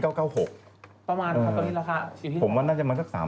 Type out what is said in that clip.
ประมาณครับตอนนี้ราคาผมว่าน่าจะมาสัก๓๐๐